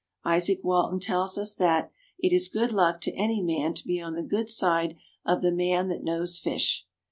Isaac Walton tells us that "it is good luck to any man to be on the good side of the man that knows fish."